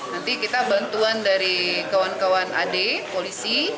nanti kita bantuan dari kawan kawan ad polisi